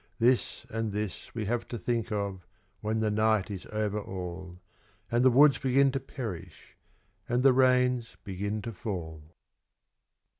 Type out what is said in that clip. This and this we have to think of when the night is over all, And the woods begin to perish and the rains begin to fall.